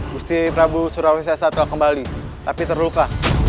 gusti prabu surawesi s a telah kembali tapi terluka